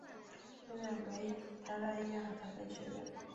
对面为台大医院与台大医学院。